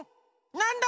なんだ？